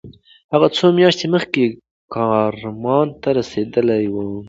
هغه څو میاشتې مخکې کرمان ته رسېدلی و.